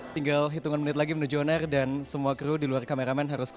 tinggal hitungan menit lagi menuju onar dan semua kru di luar kameramen harus keluar